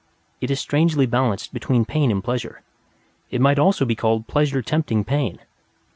It is strangely balanced between pain and pleasure; it might also be called pleasure tempting pain.